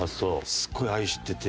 すごい愛してて。